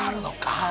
はい。